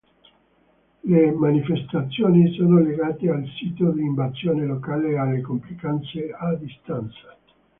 Le manifestazioni sono legate al sito di invasione locale e alle complicanze a distanza.